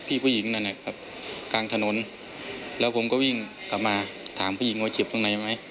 ผู้หญิงนั่นนะครับกลางถนนแล้วผมก็วิ่งกลับมาถามผู้หญิงว่าเจ็บตรงไหนไหม